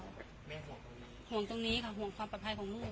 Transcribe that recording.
แม่ห่วงตรงนี้ค่ะห่วงความปลอดภัยของลูก